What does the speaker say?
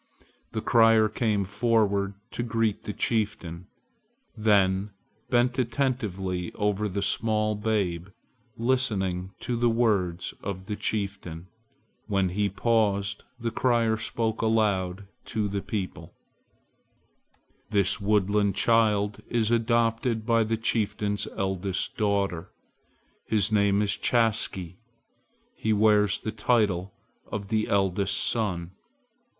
The crier came forward to greet the chieftain, then bent attentively over the small babe, listening to the words of the chieftain. When he paused the crier spoke aloud to the people: "This woodland child is adopted by the chieftain's eldest daughter. His name is Chaske. He wears the title of the eldest son.